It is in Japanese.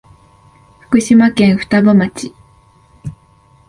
福島県双葉町